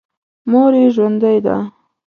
مور یې ژوندۍ ده.